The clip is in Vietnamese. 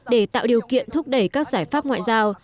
để tạo điều kiện thúc đẩy các giải pháp ngoại giao